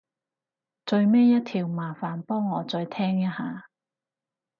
最尾一條麻煩幫我再聽一下